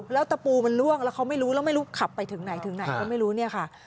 แล้วตะปูมันล่วงแล้วเขาไม่รู้แล้วไม่รู้ขับไปถึงไหนถึงไหนก็ไม่รู้เนี่ยค่ะ